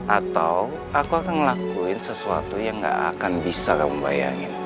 atau aku akan ngelakuin sesuatu yang gak akan bisa kamu bayangin